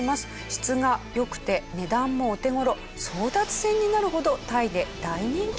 質が良くて値段もお手頃争奪戦になるほどタイで大人気だとか。